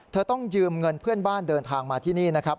ต้องยืมเงินเพื่อนบ้านเดินทางมาที่นี่นะครับ